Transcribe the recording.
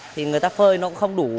thì người ta phơi nó cũng không đủ